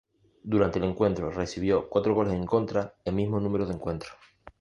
Durante el torneo recibió cuatro goles en contra en mismo número de encuentros.